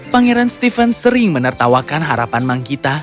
pangeran stephen sering menertawakan harapan manggita